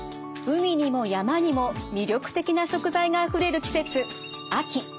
海にも山にも魅力的な食材があふれる季節秋。